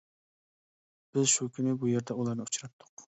بىز شۇ كۈنى بۇ يەردە ئۇلارنى ئۇچراتتۇق.